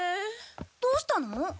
どうしたの？